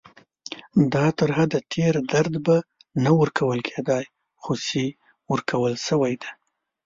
دا تر حد تېر درد به نه ورکول کېدای، خو چې ورکول شوی دی.